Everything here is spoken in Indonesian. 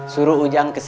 suruh ujang ke sini